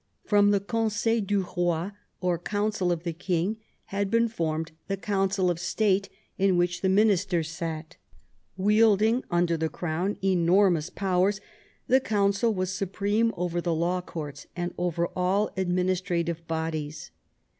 From the Conseil du Boiy or Council of the Bang, had been formed the Council of State, in which the ministers sat Wielding, under the crown, enormous powers, the Council was supreme over the law courts and over all administrative bodies.